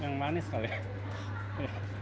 yang manis kali ya